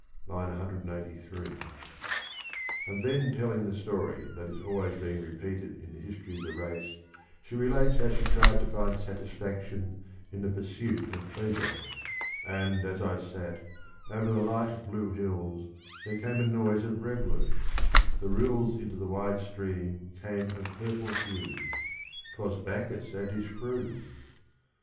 (IV. 183) And then telling the story that is always being repeated in the history of the race, she relates how she tried to find satisfaction in the pursuit of pleasure : And as I sat, over the light blue hills There came a noise of revellers : the rills Into the wide stream came of purple hue — 'Twas Bacchus and his crew!